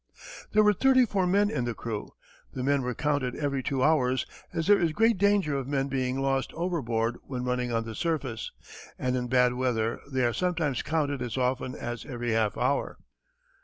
There were thirty four men in the crew. The men are counted every two hours, as there is great danger of men being lost overboard when running on the surface, and in bad weather they are sometimes counted as often as every half hour.